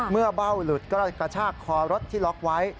เบ้าหลุดก็กระชากคอรถที่ล็อกไว้